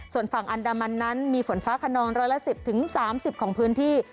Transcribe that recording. ส่วนฝั่งอันดามันนั้นมีฝนฟ้าขนองร้อยละ๑๐๓๐ของพื้นที่